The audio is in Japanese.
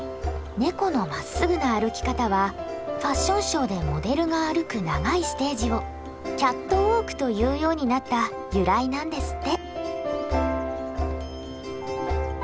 ネコのまっすぐな歩き方はファッションショーでモデルが歩く長いステージをキャットウォークというようになった由来なんですって。